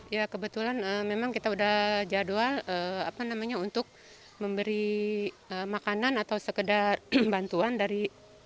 ya kebetulan memang kita sudah jadwal untuk memberi makanan atau sekedar bantuan dari